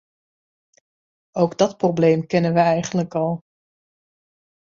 Ook dat probleem kennen we eigenlijk al.